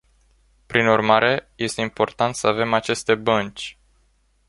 Prin urmare, este important să avem aceste bănci.